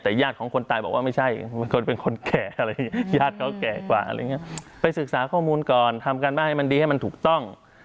แต่ญาติของคนตายบอกว่าไม่ใช่เป็นคนเป็นคนแก่อะไรอย่างนี้ญาติเขาแก่กว่าอะไรอย่างเงี้ยไปศึกษาข้อมูลก่อนทำการบ้านให้มันดีให้มันถูกต้อง